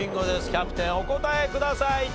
キャプテンお答えください。